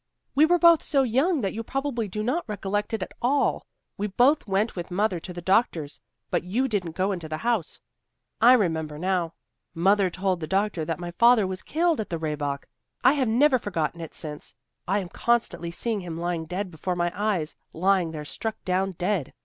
We were both so young that you probably do not recollect it at all. We both went with mother to the doctor's, but you didn't go into the house, I remember now. Mother told the doctor that my father was killed at the Rehbock. I have never forgotten it since. I am constantly seeing him lying dead before my eyes; lying there struck down dead.